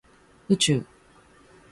宇宙